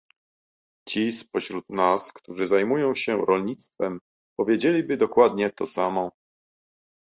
Ci z pośród nas, którzy zajmują się rolnictwem powiedzieliby dokładnie to samo